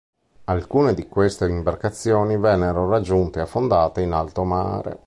Alcune di queste imbarcazioni vennero raggiunte e affondate in alto mare.